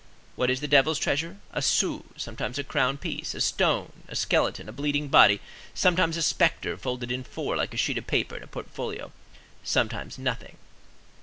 What is the devil's treasure? A sou, sometimes a crown piece, a stone, a skeleton, a bleeding body, sometimes a spectre folded in four like a sheet of paper in a portfolio, sometimes nothing.